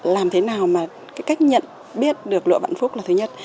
làm thế nào mà cái cách nhận biết được lụa vạn phúc là thứ nhất